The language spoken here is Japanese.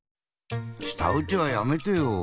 したうちはやめてよ。